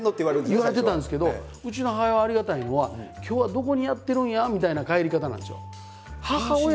言われてたんですけどうちの母親はありがたいのは「今日はどこにやってるんや？」みたいな帰り方なんですよ。